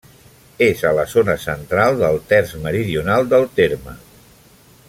És a la zona central del terç meridional del terme.